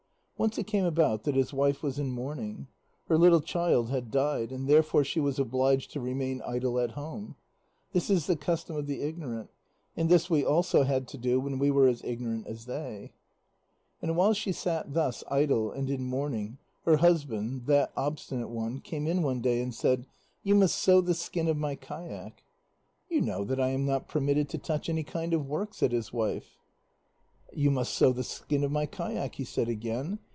Once it came about that his wife was in mourning. Her little child had died, and therefore she was obliged to remain idle at home; this is the custom of the ignorant, and this we also had to do when we were as ignorant as they. And while she sat thus idle and in mourning, her husband, that Obstinate One, came in one day and said: "You must sew the skin of my kayak." "You know that I am not permitted to touch any kind of work," said his wife. "You must sew the skin of my kayak," he said again.